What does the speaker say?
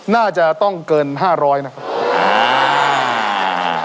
น่าจะต้องเกิน๕๐๐นะครับ